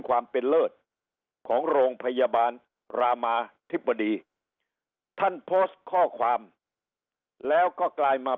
ความเป็นเลิศของโรงพยาบาลรามาธิบดีท่านโพสต์ข้อความแล้วก็กลายมา